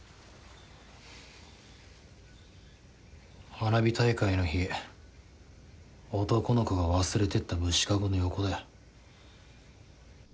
花火大会の日男の子が忘れてった虫かごの横だよ